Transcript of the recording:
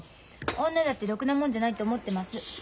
女だってろくなもんじゃないって思ってます。